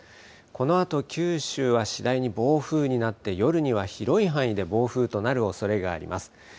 このあと九州は次第に暴風になって夜には広い範囲で暴風となるおそれがあります。